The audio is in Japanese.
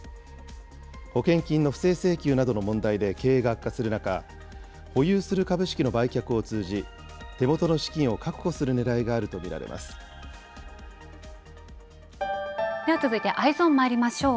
保険金の不正請求などの問題で経営が悪化する中、保有する株式の売却を通じ、手元の資金を確保するねらいがあるとでは続いてＥｙｅｓｏｎまいりましょう。